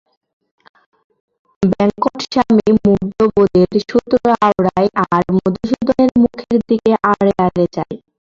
বেঙ্কটস্বামী মুগ্ধবোধের সূত্র আওড়ায় আর মধুসূদনের মুখের দিকে আড়ে আড়ে চায়।